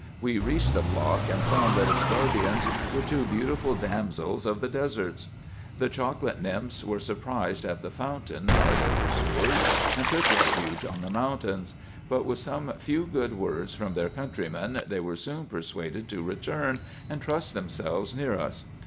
We reached the flock, and found that its guardians were two beautiful damsels of the deserts. The chocolate nymphs were surprised at the fountain by their pursuers, and took refuge on the mountains ; but, with some few good words from their coun trymen, they were soon persuaded to return, and trust themselves near us.